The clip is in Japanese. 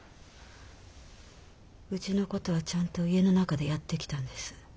うちのことはちゃんと家の中でやってきたんです。